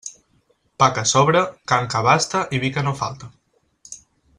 Pa que sobre, carn que abaste i vi que no falte.